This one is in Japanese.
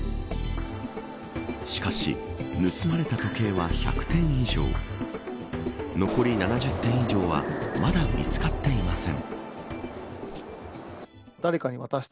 しかし、盗まれた時計は１００点以上残り７０点以上はまだ見つかっていません。